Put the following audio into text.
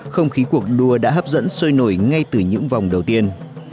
không khí cuộc đua đã hấp dẫn sôi nổi ngay từ những vòng đầu tiên